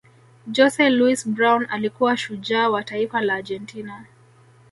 jose luis brown alikuwa shujaa wa taifa la argentina